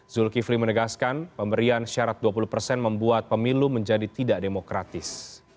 zulkifli menegaskan pemberian syarat dua puluh persen membuat pemilu menjadi tidak demokratis